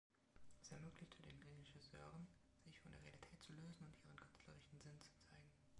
Es ermöglichte den Regisseuren, sich von der Realität zu lösen und ihren künstlerischen Sinn zu zeigen.